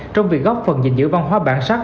trong việc góp phần dình dữ văn hóa bản sắc